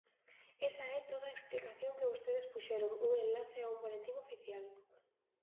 Esa é toda a explicación que vostedes puxeron, un enlace a un boletín oficial.